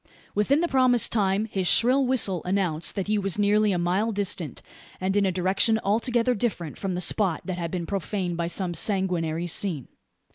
Within the promised time his shrill whistle announced that he was nearly a mile distant, and in a direction altogether different from the spot that had been profaned by some sanguinary scene.